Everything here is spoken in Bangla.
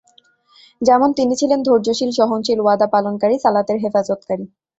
যেমন তিনি ছিলেন ধৈর্যশীল, সহনশীল, ওয়াদা পালনকারী, সালাতের হেফাজতকারী।